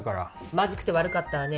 まずくて悪かったわね。